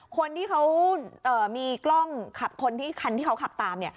คนที่เขามีกล้องคันที่เขาขับตาม